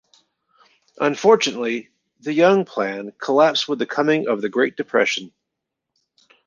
Unfortunately, the Young Plan collapsed with the coming of the Great Depression.